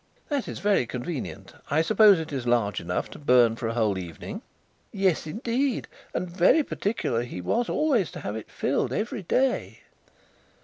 "That is very convenient. I suppose it is large enough to burn for a whole evening?" "Yes, indeed. And very particular he was always to have it filled every day."